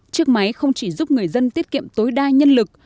chiếc máy không chỉ giúp người dân tiết kiệm tối đa nhân lực